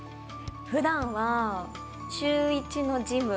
ふだんは週１のジム。